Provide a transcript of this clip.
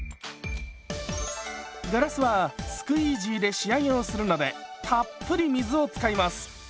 ガラスはスクイージーで仕上げをするのでたっぷり水を使います。